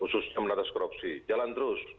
khususnya menatap korupsi jalan terus